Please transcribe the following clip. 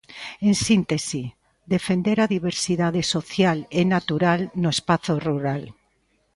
En síntese, defender "a diversidade social" e "natural" no espazo rural.